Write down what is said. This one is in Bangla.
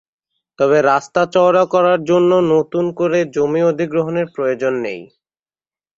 তবে রাস্তা চওড়া করার জন্য নতুন করে জমি অধিগ্রহণের প্রয়োজন নেই।